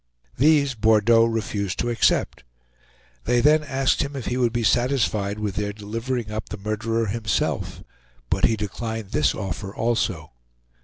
These Bordeaux refused to accept. They then asked him if he would be satisfied with their delivering up the murderer himself; but he declined this offer also.